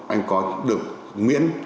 anh có được miễn